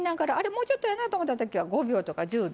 もうちょっとやなと思ったら５秒や１０秒。